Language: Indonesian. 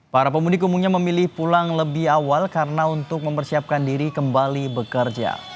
para pemudik umumnya memilih pulang lebih awal karena untuk mempersiapkan diri kembali bekerja